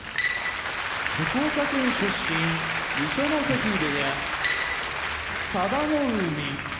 福岡県出身二所ノ関部屋佐田の海